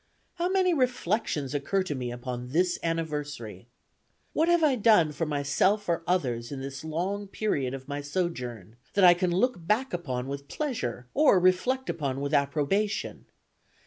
How many reflections occur to me upon this anniversary! "What have I done for myself or others in this long period of my sojourn, that I can look back upon with pleasure, or reflect upon with approbation?